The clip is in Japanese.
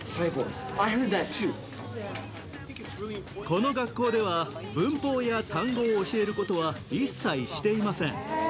この学校では、文法や単語を教えることは一切していません。